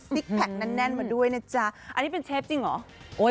แพคแน่นมาด้วยนะจ๊ะอันนี้เป็นเชฟจริงเหรอ